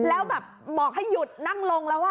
แล้วแบบบอกให้หยุดนั่งลงแล้ว